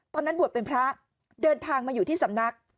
ตอนนั้นบวชเป็นพระเดินทางมาอยู่ที่สำนัก